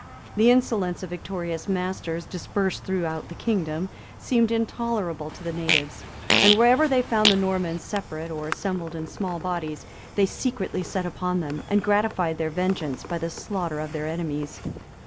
The insolence of victorious masters, dispersed throughout the kingdom, seemed intolerable to the natives; and wherever they found the Normans separate or assembled in small bodies, they secretly set upon them, and gratified their vengeance by the slaughter of their enemies.